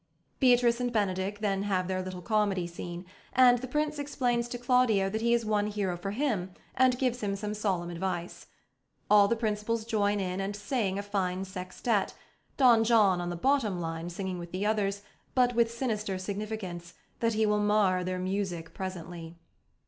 Beatrice and Benedick then have their little comedy scene, and the Prince explains to Claudio that he has won Hero for him, and gives him some solemn advice. All the principals join in and sing a fine sextet, Don John on the bottom line singing with the others, but with sinister significance, that he will mar their music presently.